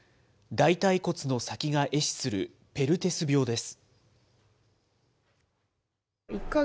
大たい骨の先がえ死するペルテス病です。